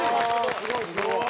すごいすごい。